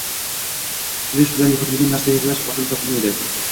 Kulish bilan yo‘qotilgan narsa yig‘lash orqali topilmaydi.